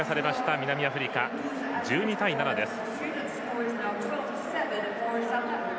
南アフリカ１２対７です。